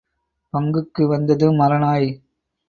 பங்குக்கு வந்தது மர நாய்.